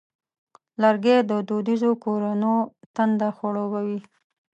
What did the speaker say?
لرګی د دودیزو کورونو تنده خړوبوي.